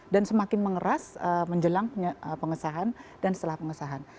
dan semakin mengeras menjelang pengesahan dan setelah pengesahan